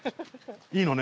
いいのね？